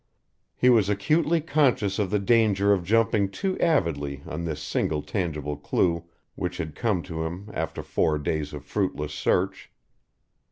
He was acutely conscious of the danger of jumping too avidly on this single tangible clue which had come to him after four days of fruitless search.